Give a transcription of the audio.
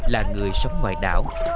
là người sống ngoài đảo